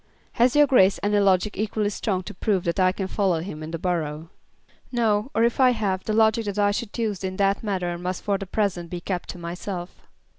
"Has your Grace any logic equally strong to prove that I can follow him in the borough?" "No; or if I have, the logic that I should use in that matter must for the present be kept to myself."